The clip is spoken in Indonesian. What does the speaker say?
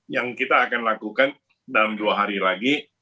yang kita akan lakukan dalam dua hari lagi